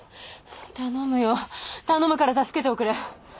頼むよ頼むから助けておくれ。